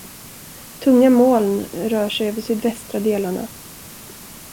Tunga moln rör sig över sydvästra delarna.